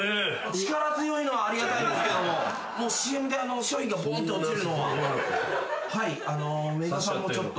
力強いのはありがたいんですけどもＣＭで商品がボーンと落ちるのはメーカーさんもちょっと。